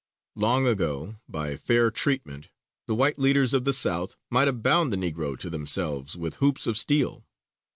Long ago, by fair treatment, the white leaders of the South might have bound the Negro to themselves with hoops of steel.